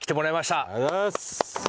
ありがとうございます。